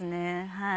はい。